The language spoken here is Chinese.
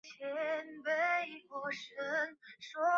杏鲍菇因其有杏仁香气及鲍鱼口感而得名。